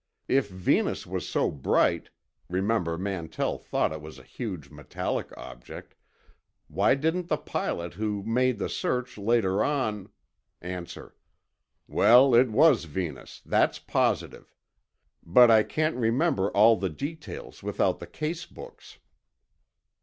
If Venus was so bright—remember Mantell thought it was a huge metallic object—why didn't the pilot who made the search later on— A. Well, it was Venus, that's positive. But I can't remember all the details without the case books.